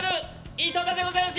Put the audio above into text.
井戸田でございます